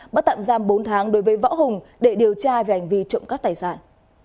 bắt tạm giam bốn tháng đối với võ hùng để điều tra về hành vi trộm cắp tài sản